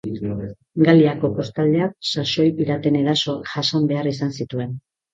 Galiako kostaldeak saxoi piraten erasoak jasan behar izan zituen.